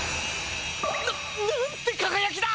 ななんてかがやきだ！